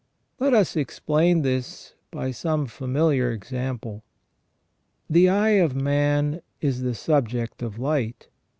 Let us explain this by some familiar example. The eye of man is the subject of light.